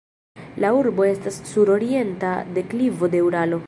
La urbo estas sur orienta deklivo de Uralo.